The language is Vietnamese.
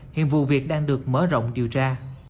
hiện vụ việc đang được mở rộng điều tra